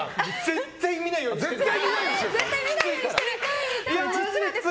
絶対見ないようにしてるんです。